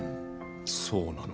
そうなの？